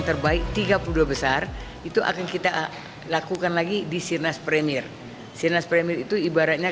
terbaik tiga puluh dua besar itu akan kita lakukan lagi di sirnas premier sirnas premier itu ibaratnya